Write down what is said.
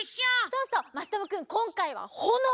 そうそうまさともくんこんかいはほのお！